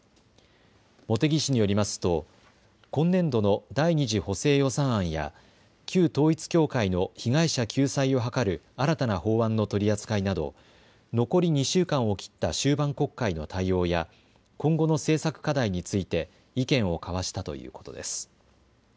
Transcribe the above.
茂木氏によりますと今年度の第２次補正予算案や旧統一教会の被害者救済を図る新たな法案の取り扱いなど残り２週間を切った終盤国会の対応や今後の政策課題について意見を交わしたということです。